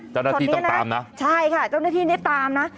เจ้าหน้าที่ต้องตามนะใช่ค่ะเจ้าหน้าที่นี่ตามนะ